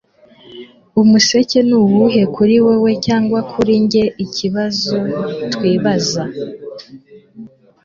Umuseke ni uwuhe kuri wewe cyangwa kuri njyeikibazo twibaza